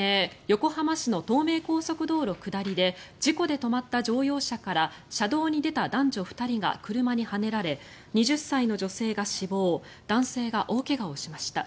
横浜市の東名高速下りで事故で止まった乗用車から車道に出た男女２人が車にはねられ２０歳の女性が死亡男性が大怪我をしました。